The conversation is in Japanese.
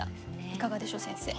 いかがでしょう先生。